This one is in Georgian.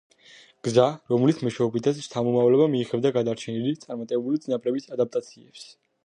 გზა, რომლის მეშვეობითაც შთამომავლობა მიიღებდა გადარჩენილი, წარმატებული წინაპრების ადაპტაციებს.